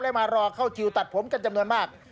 มารอเข้าคิวตัดผมกันจำนวนมาก